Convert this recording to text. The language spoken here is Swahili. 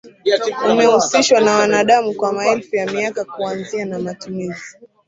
umehusishwa na wanadamu kwa maelfu ya miaka kuanzia na matumiz